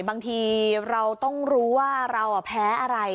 บางทีเราต้องรู้ว่าเราแพ้อะไร